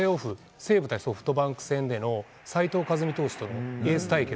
西武対ソフトバンク戦の斉藤和巳投手のエース対決。